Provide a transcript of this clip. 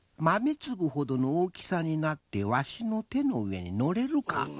「豆粒ほどの大きさになってわしの手の上に乗れるか？」